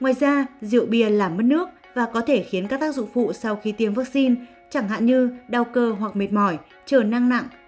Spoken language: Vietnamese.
ngoài ra rượu bia làm mất nước và có thể khiến các tác dụng phụ sau khi tiêm vaccine chẳng hạn như đau cơ hoặc mệt mỏi chờ năng nặng